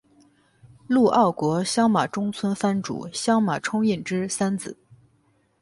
陆奥国相马中村藩主相马充胤之三子。